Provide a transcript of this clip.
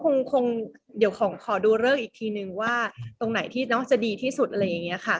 คงเดี๋ยวขอดูเลิกอีกทีนึงว่าตรงไหนที่น้องจะดีที่สุดอะไรอย่างนี้ค่ะ